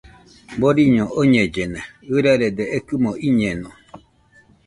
Boriño oñellena, ɨrarede ekɨmo iñeno